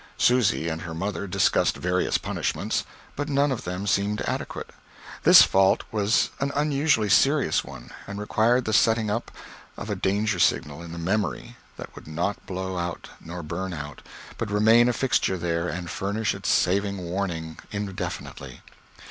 Susy and her mother discussed various punishments, but none of them seemed adequate. This fault was an unusually serious one, and required the setting up of a danger signal in the memory that would not blow out nor burn out, but remain a fixture there and furnish its saving warning indefinitely.